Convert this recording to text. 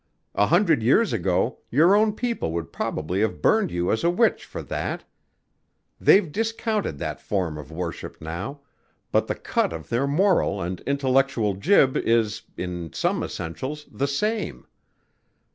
A hundred years ago your own people would probably have burned you as a witch for that. They've discontinued that form of worship now, but the cut of their moral and intellectual jib is, in some essentials, the same.